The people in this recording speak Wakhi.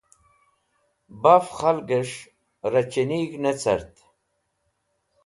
Baf khalgẽs̃h rochinig̃h ne cart.